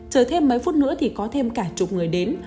chờ thêm mấy phút nữa thì có thêm cả chục người đến